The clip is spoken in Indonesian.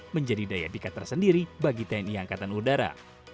menjadi daya pikat tersendiri bagi tni angkatan udara